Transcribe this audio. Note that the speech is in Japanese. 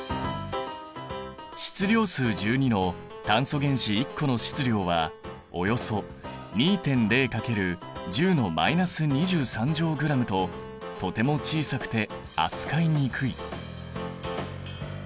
質量数１２の炭素原子１個の質量はおよそ２．０×１０の−２３乗ｇととても小さくて扱いにくい。